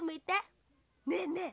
ねえねえ。